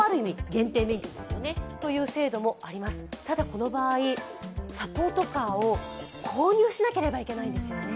この場合、サポートカーを購入しなければいけないんですよね。